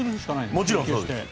もちろんそうです。